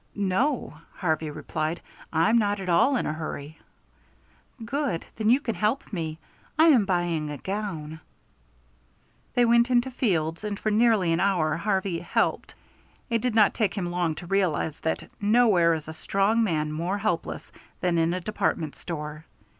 "No," Harvey replied, "I'm not at all in a hurry." "Good, then you can help me. I am buying a gown." They went into Field's, and for nearly an hour Harvey "helped." It did not take him long to realize that nowhere is a strong man more helpless than in a department store.